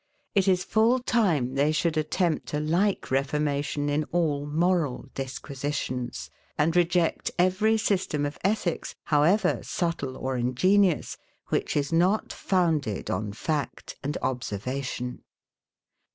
It is full time they should attempt a like reformation in all moral disquisitions; and reject every system of ethics, however subtle or ingenious, which is not founded on fact and observation.